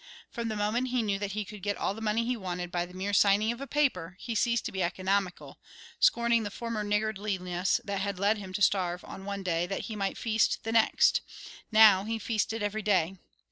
From the moment he knew that he could get all the money he wanted by the mere signing of a paper, he ceased to be economical, scorning the former niggardliness that had led him to starve on one day that he might feast the next; now, he feasted every day.